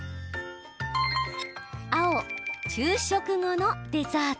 青昼食後のデザート。